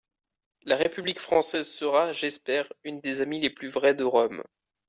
La république française sera, j'espère, une des amies les plus vraies de Rome.